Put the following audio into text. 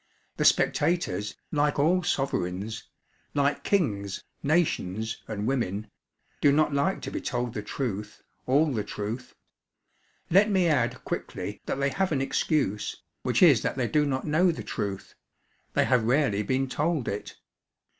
The spectators, like all sovereigns like kings, nations, and women do not like to be told the truth, all the truth. Let me add quickly that they have an excuse, which is that they do not know the truth; they have rarely been told it.